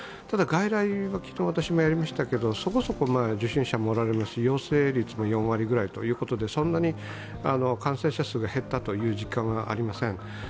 ただ外来は昨日私もやりましたけどそこそこ受診信者もおられますし、陽性率も４割ぐらいで、そんなに感染者数が減ったという実感はありません。